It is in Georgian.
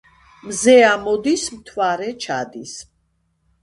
მზე ამოდის მთვერე ჩადის